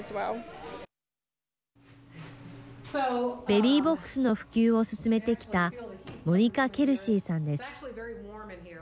ベビーボックスの普及を進めてきたモニカ・ケルシーさんです。